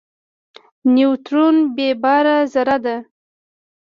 نیوترون بېباره ذره ده.